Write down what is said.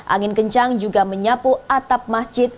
angin kencang juga menyapu atap masjid